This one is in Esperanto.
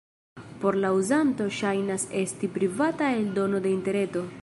Por la uzanto ŝajnas esti privata eldono de interreto.